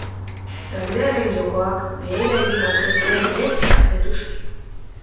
Taldearen jokoak behera egin ote duen ere galdetu zaio.